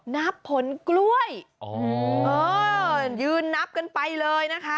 นับผลกล้วยยืนนับกันไปเลยนะคะ